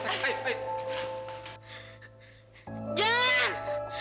jangan deket deket aku